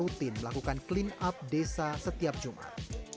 rutin melakukan clean up desa setiap jumat